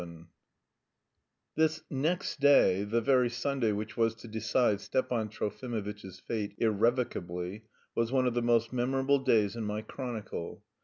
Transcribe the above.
VII This "next day," the very Sunday which was to decide Stepan Trofimovitch's fate irrevocably, was one of the most memorable days in my chronicle.